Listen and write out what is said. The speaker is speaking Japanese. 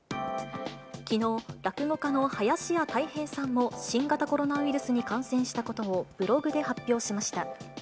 きのう、落語家の林家たい平さんも、新型コロナウイルスに感染したことを、ブログで発表しました。